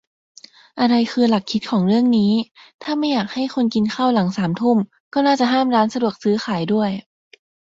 อะไรคือหลักคิดของเรื่องนี้ ถ้าไม่อยากให้คนกินข้าวหลังสามทุ่ม ก็น่าจะห้ามร้านสะดวกซื้อขายด้วย